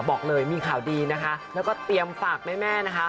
บอกเลยมีข่าวดีนะคะแล้วก็เตรียมฝากแม่แม่นะคะ